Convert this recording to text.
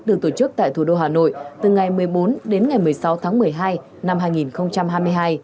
được tổ chức tại thủ đô hà nội từ ngày một mươi bốn đến ngày một mươi sáu tháng một mươi hai năm hai nghìn hai mươi hai